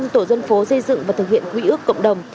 một trăm linh tổ dân phố xây dựng và thực hiện quỹ ước cộng đồng